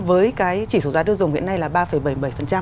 với cái chỉ số giá đưa dùng hiện nay là